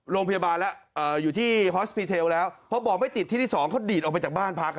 โรงพยาบาลแล้วอยู่ที่ฮอสปีเทลแล้วเพราะบอกไม่ติดที่ที่สองเขาดีดออกไปจากบ้านพัก